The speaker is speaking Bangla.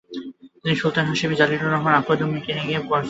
তিনি সুলতান হাসমি জালিলুল আলম আকোয়ামদ্দিন নামে পরিচিতি পান।